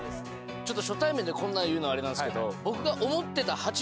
ちょっと初対面でこんなん言うのあれなんですけど僕が。